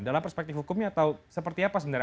dalam perspektif hukumnya atau seperti apa sebenarnya